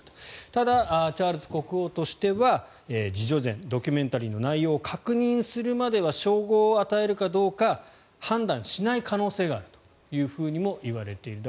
ただ、チャールズ国王としては自叙伝ドキュメンタリーの内容を確認するまでは称号を与えるかどうか判断しない可能性があるとも言われている。